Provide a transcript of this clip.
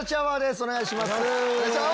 お願いします！